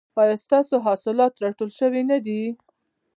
ایا ستاسو حاصلات راټول شوي نه دي؟